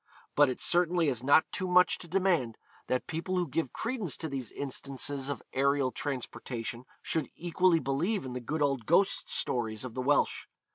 But it certainly is not too much to demand, that people who give credence to these instances of aerial transportation should equally believe in the good old ghost stories of the Welsh.